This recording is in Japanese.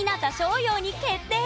陽に決定！